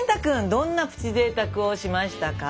どんな「プチぜいたく」をしましたか？